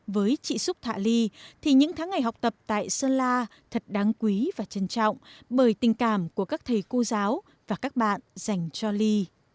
với chị xúc thạ ly thì những tháng ngày học tập tại sơn la thật đáng quý và trân trọng bởi tình cảm của các thầy cô giáo và các bạn dành cho ly